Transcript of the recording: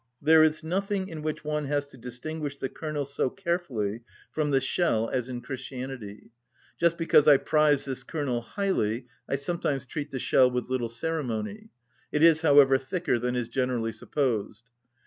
There is nothing in which one has to distinguish the kernel so carefully from the shell as in Christianity. Just because I prize this kernel highly I sometimes treat the shell with little ceremony; it is, however, thicker than is generally supposed.